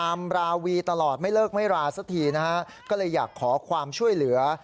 มราวีตลอดไม่เลิกไม่ราสักทีนะฮะก็เลยอยากขอความช่วยเหลือ